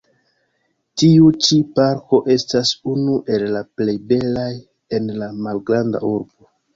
Tiu ĉi parko estas unu el la plej belaj en la Malgranda urbo.